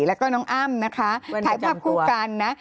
แล้วก็น้องอ้ำนะคะถ่ายภาพคู่กันนะ